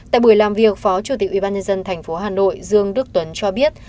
tại buổi làm việc phó chủ tịch ủy ban nhân dân thành phố hà nội dương đức tuấn cho biết